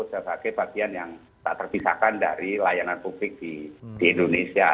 sebagai bagian yang tak terpisahkan dari layanan publik di indonesia